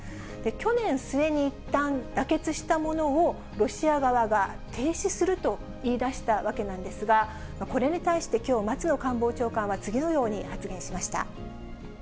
去年末にいったん妥結したものを、ロシア側が停止すると言いだしたわけなんですが、これに対してきょう、松野官房長官は次のように発言しました。